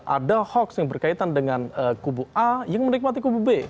ada hoax yang berkaitan dengan kubu a yang menikmati kubu b